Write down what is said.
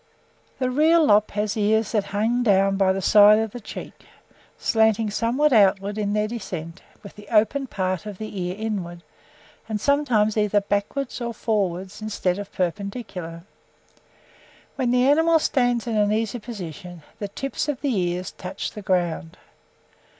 "The real lop has ears that hang down by the side of the cheek, slanting somewhat outward in their descent, with the open part of the ear inward, and sometimes either backwards or forwards instead of perpendicular: when the animals stand in an easy position, the tips of the ears touch the ground.